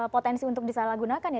potensi untuk disalahgunakan ya